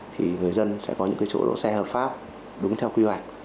thì người dân sẽ có những cái chỗ đỗ xe hợp pháp đúng theo quy hoạch